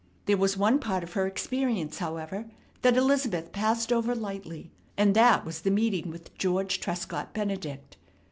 There was one part of her experience, however, that Elizabeth passed over lightly, and that was the meeting with George Trescott Benedict.